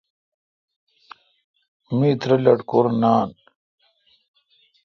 می ترہ لٹکور نان۔